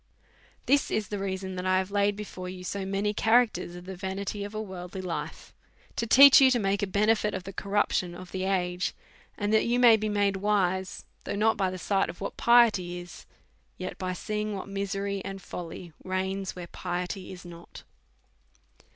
' This is the reason that I have laid before you so many characters of the vanity of a worldly life, to teach you to make a benefit of the corruption of the age, and that you may be made wise, though not by the sight of what piety is, yet by seeing what misery and folly reigns, where piety is not.